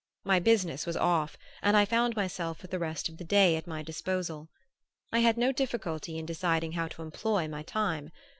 My business was "off" and I found myself with the rest of the day at my disposal. I had no difficulty in deciding how to employ my time.